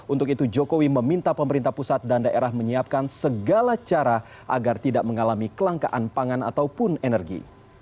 untuk itu jokowi meminta pemerintah pusat dan daerah menyiapkan segala cara agar tidak mengalami kelangkaan pangan ataupun energi